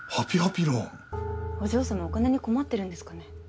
お嬢様お金に困ってるんですかね？